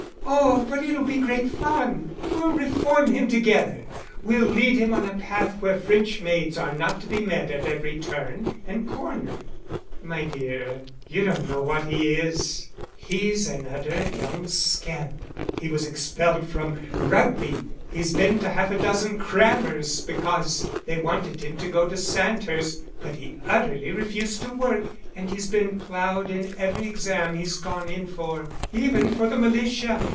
"Oh, but it'll be great fun. We'll reform him together. We'll lead him on a path where French maids are not to be met at every turn and corner." "My dear, you don't know what he is. He's an utter young scamp. He was expelled from Rugby. He's been to half a dozen crammers, because they wanted him to go to Sandhurst, but he utterly refused to work; and he's been ploughed in every exam he's gone in for even for the militia.